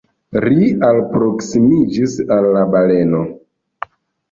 Ri alproksimiĝas al la baleno.